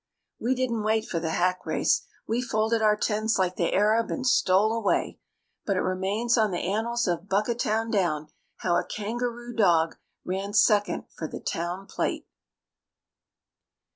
We didn't wait for the hack race. We folded our tents like the Arab and stole away. But it remains on the annals of Buckatowndown how a kangaroo dog ran second for the Town Plate.